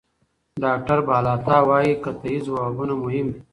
ډاکټر بالاتا وايي قطعي ځوابونه مهم دي.